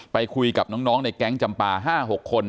ไปคุยกับน้องในแก๊งจำปา๕๖คน